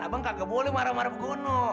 abang kagak boleh marah marah begitu